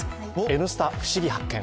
「Ｎスタ」ふしぎ発見。